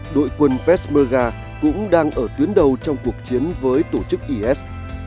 đội quân pesmerga cũng đang ở tuyến đầu trong cuộc chiến với tổ chức is